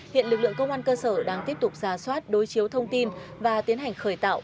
hiện lực lượng công an cơ sở đang tiếp tục ra soát đối chiếu thông tin và tiến hành khởi tạo